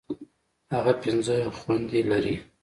هغه پنځه خويندي لري.